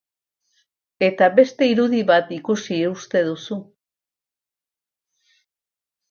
Eta beste irudi bat ikusi uste duzu...